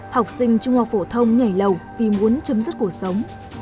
học sinh trung học phổ thông nhảy lầu vì muốn chấm dứt cuộc sống